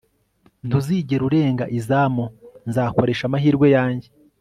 ntuzigera urenga izamu nzakoresha amahirwe yanjye